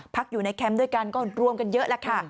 พักอยู่ในแคมป์ด้วยกันก็รวมกันเยอะแหละค่ะ